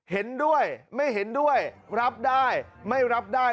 เห็นด้วยไม่เห็นด้วยรับได้ไม่รับได้